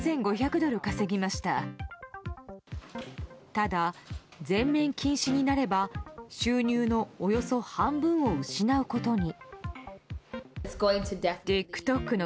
ただ、全面禁止になれば収入のおよそ半分を失うことに。